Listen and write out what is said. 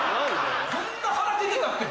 こんな腹出てたっけ